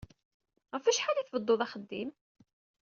Ɣef wacḥal ay tbedduḍ axeddim?